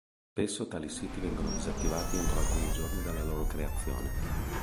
Spesso tali siti vengono disattivati entro alcuni giorni dalla loro creazione.